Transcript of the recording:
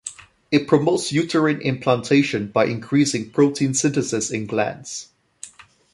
It promotes uterine implantation by increasing protein synthesis in glands.